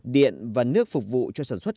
điện và nước phục vụ cho sản xuất